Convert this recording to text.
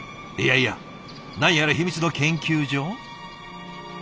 いやいや何やら秘密の研究所？